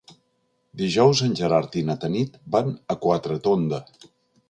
Dijous en Gerard i na Tanit van a Quatretonda.